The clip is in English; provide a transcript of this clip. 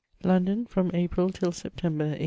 London, from April till September, 1822.